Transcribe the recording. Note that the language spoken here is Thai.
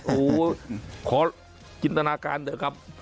อู๋ขอจินตนาการเดี๋ยวครับ